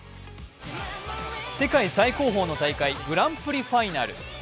世界最高峰の大会グランプリファイナル。